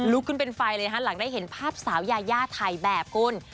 ขึ้นเป็นไฟเลยนะฮะหลังได้เห็นภาพสาวยายาถ่ายแบบคุณ